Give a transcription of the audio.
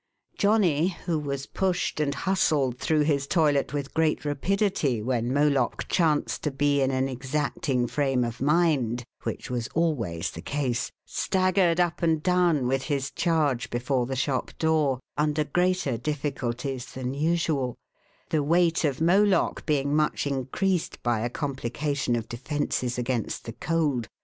Johnny, who was pushed and hustled through his toilet with great rapidity when Moloch chanced to be in an exacting frame of mind (which was always the case), staggered up and down with his charge before the shop door, under greater difficulties than usual; the weight of Moloch being much increased by a complication of defences against the cold, YOUNG MOLOCH.